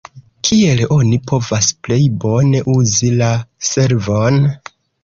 Kiel oni povas plej bone uzi la servon?